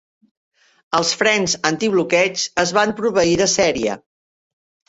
Els frens anti-bloqueig es van proveir de sèrie.